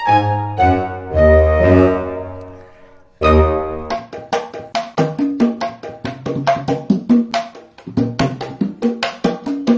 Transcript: aku pengen ikut